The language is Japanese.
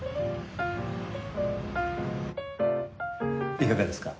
いかがですか？